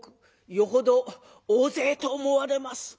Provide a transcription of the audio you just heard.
「よほど大勢と思われます」。